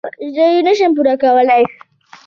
زه يې نه شم پورته کولاى.